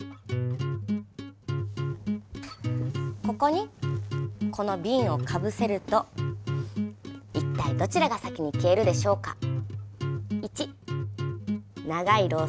ここにこのビンをかぶせると一体どちらが先に消えるでしょうか？